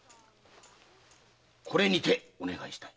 これにてお願いしたい。